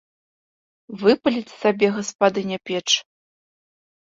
Выпаліць сабе гаспадыня печ.